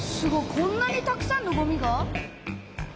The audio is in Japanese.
こんなにたくさんのごみが？